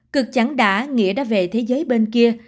cực chẳng đã nghĩa đã về thế giới bên kia